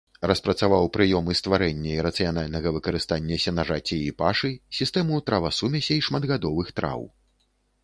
Распрацаваў прыёмы стварэння і рацыянальнага выкарыстання сенажацей і пашы, сістэму травасумесей шматгадовых траў.